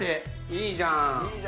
いいじゃん。